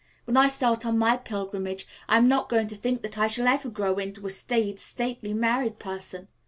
"When I start on my pilgrimage I'm not going to think that I shall ever grow into a staid, stately married person.